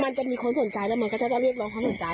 มันจะมีคนสนใจและมันก็จะเรียกเราความสนใจ